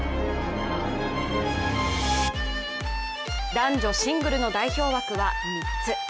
男女シングルの代表枠は３つ。